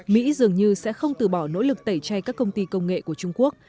mỹ dường như sẽ không từ bỏ nỗ lực tẩy chay các công ty công nghệ của trung quốc